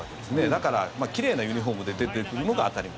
だから奇麗なユニホームで出てくるのが当たり前。